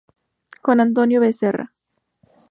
Juan Antonio Becerra.